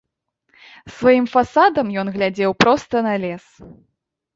Сваім фасадам ён глядзеў проста на лес.